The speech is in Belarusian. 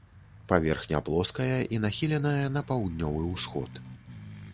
Паверхня плоская і нахіленая на паўднёвы ўсход.